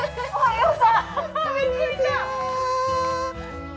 こんにちは。